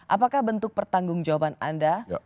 apakah bentuk pertanggung jawaban anda